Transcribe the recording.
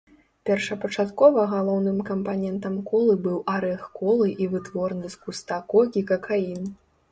Першапачаткова галоўным кампанентам колы быў арэх колы і вытворны з куста кокі какаін.